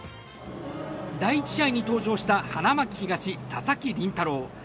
第１試合に登場した花巻東、佐々木麟太郎。